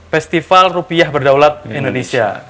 festival rupiah berdaulat indonesia